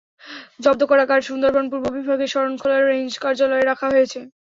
জব্দ করা কাঠ সুন্দরবন পূর্ব বিভাগের শরণখোলা রেঞ্জ কার্যালয়ে রাখা হয়েছে।